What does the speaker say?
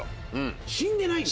死んでないんだ。